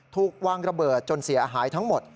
ถูกวางระเบิดจนเสียหายทั้งหมด